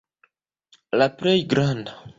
La plej granda.